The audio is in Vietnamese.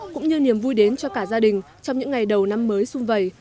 cũng như niềm vui đến cho cả gia đình trong những ngày đầu năm mới xuân về